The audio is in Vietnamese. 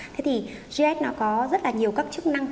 thế thì gis có rất nhiều các chức năng